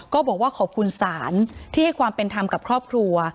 ก็บอกว่าขอบคุณศาลที่ให้ความเป็นธรรมกับครอบครัว